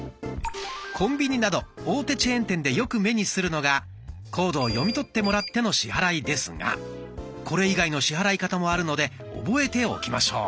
コンビニなど大手チェーン店でよく目にするのがコードを読み取ってもらっての支払いですがこれ以外の支払い方もあるので覚えておきましょう。